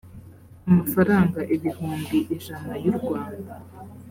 amafaranga ibihumbi ijana y u rwanda